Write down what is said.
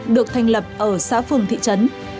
được thành lập ở xã phường thị trấn